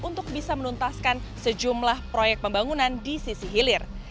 untuk bisa menuntaskan sejumlah proyek pembangunan di sisi hilir